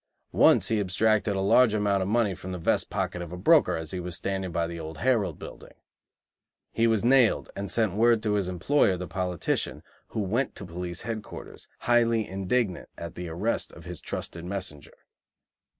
Once he abstracted a large amount of money from the vest pocket of a broker as he was standing by the old Herald building. He was nailed, and sent word to his employer, the politician, who went to police headquarters, highly indignant at the arrest of his trusted messenger.